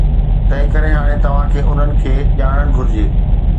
تنهنڪري هاڻي توهان کي انهن کي ڄاڻڻ گهرجي